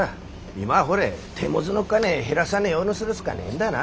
今はほれ手持ぢの金減らさねえようにするしかねえんだな。